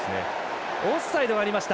オフサイドがありました。